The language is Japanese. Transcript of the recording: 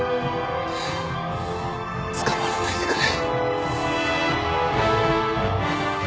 捕まらないでくれ。